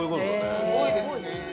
すごいですね。